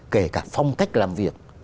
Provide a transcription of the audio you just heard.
kể cả phong cách làm việc